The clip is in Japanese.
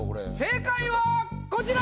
正解はこちら！